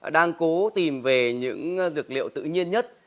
đang cố tìm về những dược liệu tự nhiên nhất